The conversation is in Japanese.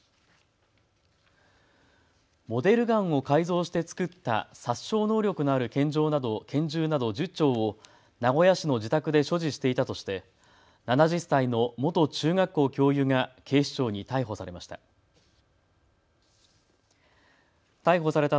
モデルガンを改造して作った殺傷能力のある拳銃など１０丁を名古屋市の自宅で所持していたとして７０歳の元中学校教諭が警視庁に逮捕されました。